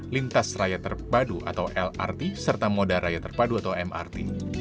lintas raya terpadu atau lrt serta moda raya terpadu atau mrt